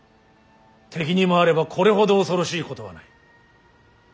敵に回ればこれほど恐ろしいことはない。